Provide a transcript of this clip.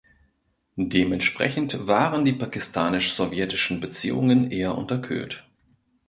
Dementsprechend waren die pakistanisch-sowjetischen Beziehungen eher unterkühlt.